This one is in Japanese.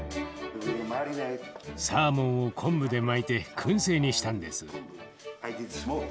サーモンを昆布で巻いてくん製にしたんです。